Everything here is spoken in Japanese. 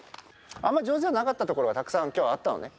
あんまり上手じゃなかったところが、たくさんきょうあったのね。